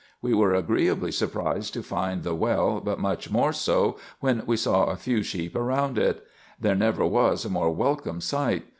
We were agreeably surprised to find the well, but much more so when we saw a few sheep around it. There never was a more welcome sight.